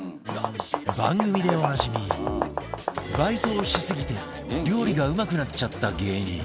番組でおなじみバイトをしすぎて料理がうまくなっちゃった芸人